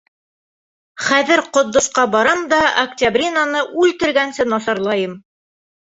Хәҙер Ҡотдосҡа барам да Октябринаны үлтергәнсе насарлайым!